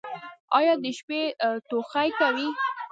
ایا د شپې ټوخی کوئ؟